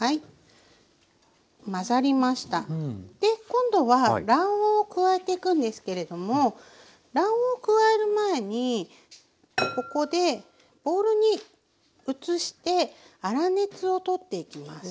今度は卵黄加えていくんですけれども卵黄加える前にここでボウルに移して粗熱を取っていきます。